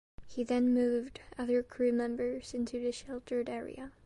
He then moved other crew members into the sheltered area.